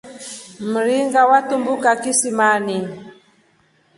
Mringa watumbuka kisimeni.